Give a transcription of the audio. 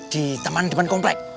di taman depan komplek